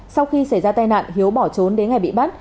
sau khi xảy ra tai nạn hiếu bỏ trốn đến ngày bị bắt